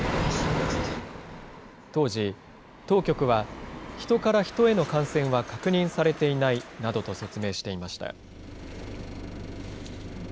当時、当局は、ヒトからヒトへの感染は確認されていないなどと説明していました。